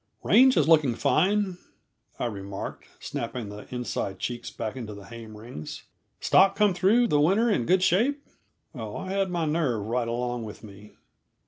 "Range is looking fine," I remarked, snapping the inside checks back into the hame rings. "Stock come through the winter in good shape?" Oh, I had my nerve right along with me.